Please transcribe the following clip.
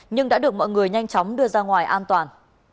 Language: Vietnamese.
nhưng đã được mọi người nhanh chóng đưa ra ngoài an toàn